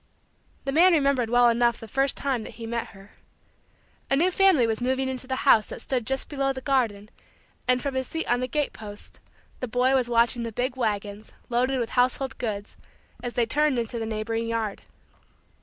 The man remembered well enough the first time that he met her. A new family was moving into the house that stood just below the garden and, from his seat on the gate post, the boy was watching the big wagons, loaded with household goods, as they turned into the neighboring yard.